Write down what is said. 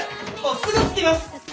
すぐ着きます！